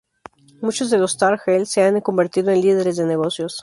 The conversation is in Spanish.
Muchos de los Tar Heels se han convertido en líderes de negocios.